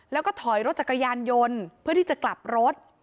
แล้วก็ถอยรถจักรยานยนต์เพื่อที่จะกลับรถ